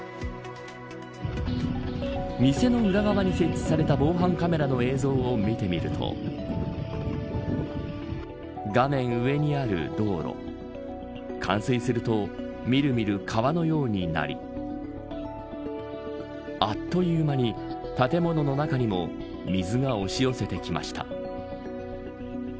店の裏側に設置された防犯カメラの映像を見てみると画面上にある道路冠水するとみるみる川のようになりあっという間に建物の中にも水が押し寄せてきました。